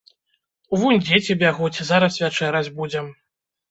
Вунь дзеці бягуць, зараз вячэраць будзем.